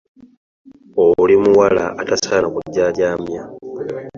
Oli muwala atasaana kujaajaamya.